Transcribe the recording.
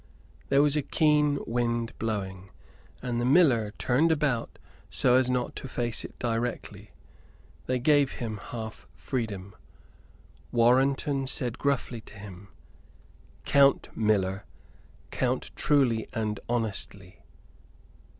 There was a keen wind blowing and the miller turned about so as not to face it directly they gave him half freedom. Warrenton said gruffly to him: "Count, miller; count truly and honestly."